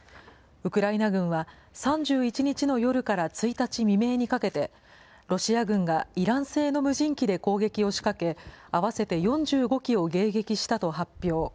ウクライナ軍は、３１日の夜から１日未明にかけて、ロシア軍がイラン製の無人機で攻撃を仕掛け、合わせて４５機を迎撃したと発表。